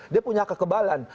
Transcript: dia punya kekebalan